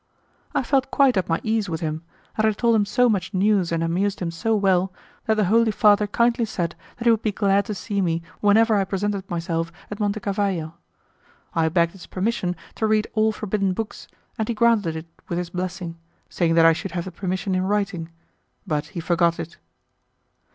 I felt quite at my ease with him, and I told him so much news and amused him so well that the Holy Father kindly said that he would be glad to see me whenever I presented myself at Monte Cavallo. I begged his permission to read all forbidden books, and he granted it with his blessing, saying that I should have the permission in writing, but he forgot it.